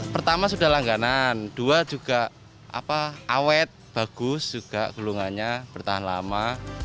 pertama sudah langganan dua juga awet bagus juga gulungannya bertahan lama